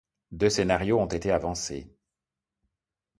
Deux scénarios ont été avancés.